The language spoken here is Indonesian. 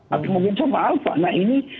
mungkin sama alpha nah ini